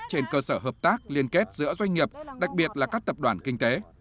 trên cơ sở hợp tác liên kết giữa doanh nghiệp đặc biệt là các tập đoàn kinh tế